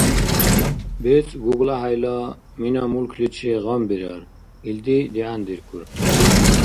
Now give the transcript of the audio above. БецӀ ГуглахӀяйла мина-мулкличи гъамбирар. Илди дигӀяндиркур.